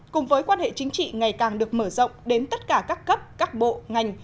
cùng với quan hệ chính trị ngày càng được mở rộng đến tất cả các cấp các bộ ngành